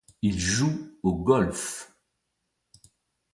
Ils jouent au golf.